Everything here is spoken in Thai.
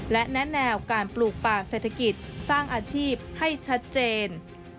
และแนะแนวการปลูกป่าเศรษฐกิจสร้างอาชีพให้ชัดเจน